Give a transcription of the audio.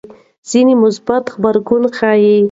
ځینې مثبت غبرګون ښيي.